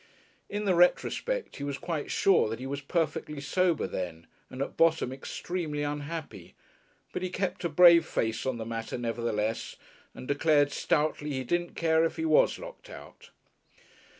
In the retrospect he was quite sure that he was perfectly sober then and at bottom extremely unhappy, but he kept a brave face on the matter nevertheless, and declared stoutly he didn't care if he was locked out.